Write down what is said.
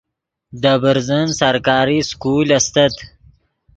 دے برزن سرکاری سکول استت